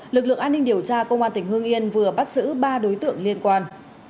lực lượng an ninh điều tra công an tỉnh hương yên vừa bắt giữ ba đối tượng liên quan